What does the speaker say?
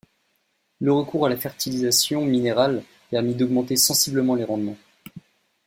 Le recours à la fertilisation minérale permit d'augmenter sensiblement les rendements.